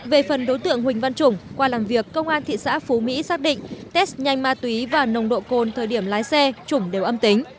về phần đối tượng huỳnh văn trùng qua làm việc công an thị xã phú mỹ xác định test nhanh ma túy và nồng độ cồn thời điểm lái xe trùng đều âm tính